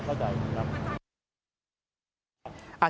เข้าใจครับ